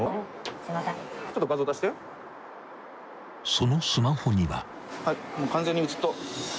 ［そのスマホには］